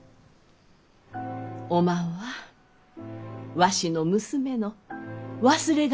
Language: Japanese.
おまんはわしの娘の忘れ形見じゃき。